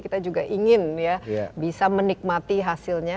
kita juga ingin ya bisa menikmati hasilnya